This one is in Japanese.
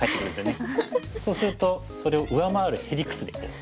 そうするとそれを上回るへ理屈で返して。